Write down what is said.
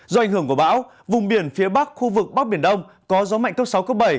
do ảnh hưởng của bão vùng biển phía bắc khu vực bắc biển đông có gió mạnh cấp sáu cấp bảy